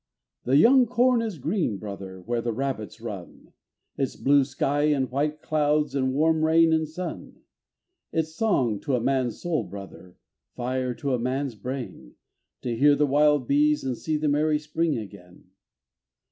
The young corn is green, brother, where the rabbits run; It's blue sky, and white clouds, and warm rain and sun. It's song to a man's soul, brother, fire to a man's brain, To hear the wild bees and see the merry spring again.